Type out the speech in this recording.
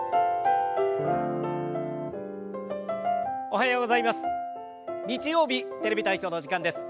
おはようございます。